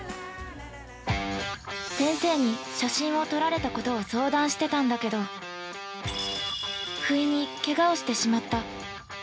◆先生に写真を撮られたことを相談してたんだけど不意にけがをしてしまった。